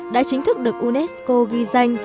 đã chính thức được unesco ghi danh